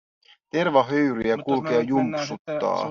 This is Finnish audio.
Tervahöyryjä kulkea jumpsuttaa.